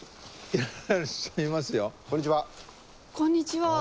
あこんにちは。